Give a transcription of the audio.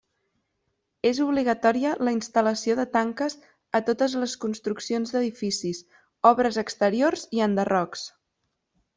És obligatòria la instal·lació de tanques a totes les construccions d'edificis, obres exteriors i enderrocs.